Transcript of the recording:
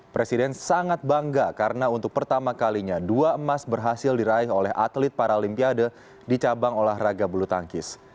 presiden sangat bangga karena untuk pertama kalinya dua emas berhasil diraih oleh atlet paralimpiade di cabang olahraga bulu tangkis